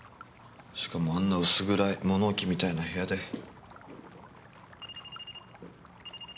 しかもあんな薄暗い物置みたいな部屋で。